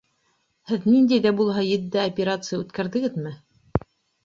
Һеҙ ниндәй ҙә булһа етди операция үткәрҙегеҙме?